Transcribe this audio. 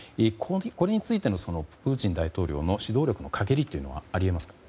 これについてのプーチン大統領の指導力の陰りというものはありますか？